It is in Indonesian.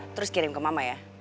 terus kirim ke mama ya